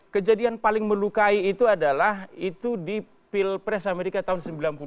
kejadian paling melukai itu adalah itu di pilpres amerika tahun sembilan puluh dua